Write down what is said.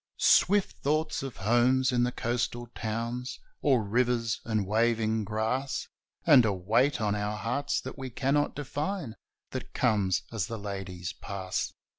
Swift thoughts of homes in the coastal towns Or rivers and waving grass And a weight on our hearts that we cannot define That comes as the ladies pass.